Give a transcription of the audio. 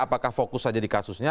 apakah fokus saja di kasusnya